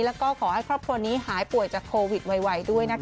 แล้วก็ขอให้ครอบครัวนี้หายป่วยจากโควิดไวด้วยนะคะ